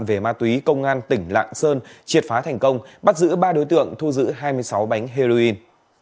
về ma túy công an tỉnh lạng sơn triệt phá thành công bắt giữ ba đối tượng thu giữ hai mươi sáu bánh heroin